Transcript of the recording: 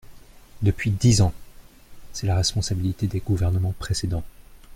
Depuis dix ans ! C’est la responsabilité des gouvernements précédents.